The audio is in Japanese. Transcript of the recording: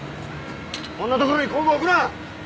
こんな所に工具置くな！